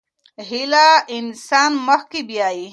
هيله انسان مخکې بيايي.